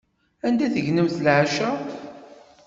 Anda tegnemt leɛca?